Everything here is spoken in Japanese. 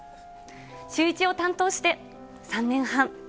シューイチを担当して３年半。